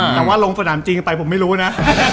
แต่ว่าลงสนามจริงไปผมไม่รู้นะ